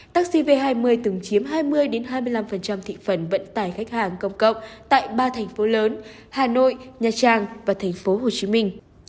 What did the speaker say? taxiv hai mươi từng chiếm hai mươi hai mươi năm thị phần vận tải khách hàng công cộng tại ba thành phố lớn hà nội nha trang và thành phố hồ chí minh